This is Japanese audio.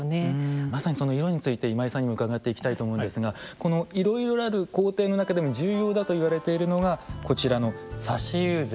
まさにその色について今井さんにも伺っていきたいと思うんですがこのいろいろある工程の中でも重要だといわれているのがこちらの挿し友禅。